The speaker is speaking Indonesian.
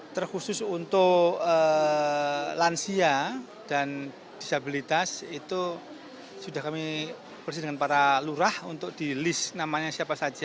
terkhusus untuk lansia dan disabilitas itu sudah kami bersih dengan para lurah untuk di list namanya siapa saja